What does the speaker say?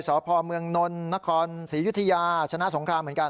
สพเมืองนลนครศรียุธยาชนะสงครามเหมือนกัน